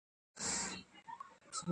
He has three sons, David, John and Timothy.